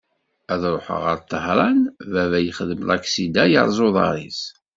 Ad ruḥeɣ ɣer Tahran, baba yexdem laksida, yerreẓ uḍar-is.